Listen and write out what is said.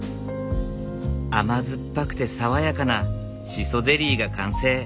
甘酸っぱくて爽やかなシソゼリーが完成。